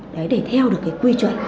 để theo được quy chuẩn